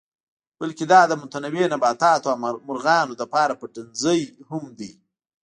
بلکې دا د متنوع نباتاتو او مارغانو لپاره پټنځای هم دی.